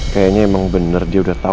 maksudnya mas nino itu apa